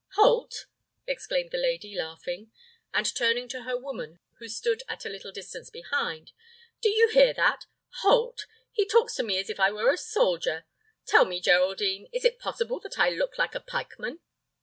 "Halt!" exclaimed the lady, laughing, and turning to her woman, who stood at a little distance behind, "do you hear that? Halt! He talks to me as if I were a soldier. Tell me, Geraldine, is it possible that I look like a pikeman?"